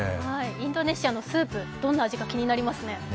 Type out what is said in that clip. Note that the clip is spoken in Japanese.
インドネシアのスープどんな味か気になりますね。